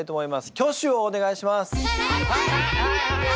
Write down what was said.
挙手をお願いします。